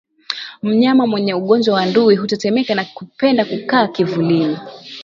Mnyama mwenye ugonjwa wa ndui hutetemeka na kupenda kukaa kivulini